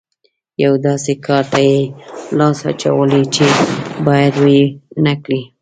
یوه داسې کار ته یې لاس اچولی چې بايد ويې نه کړي.